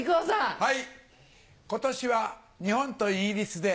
はい。